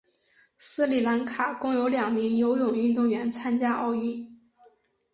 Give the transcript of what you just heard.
斯里兰卡共有两名游泳运动员参加奥运。